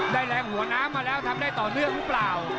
แรงหัวน้ำมาแล้วทำได้ต่อเนื่องหรือเปล่า